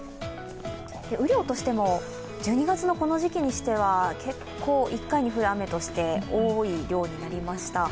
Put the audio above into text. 雨量としても１２月のこの時期にしては結構１回に降る雨として多い量になりました。